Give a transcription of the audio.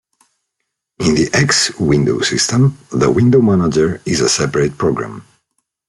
In the X Window System, the window manager is a separate program.